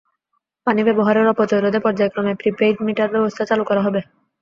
পানি ব্যবহারের অপচয় রোধে পর্যায়ক্রমে প্রি-পেইড মিটার ব্যবস্থা চালু করা হবে।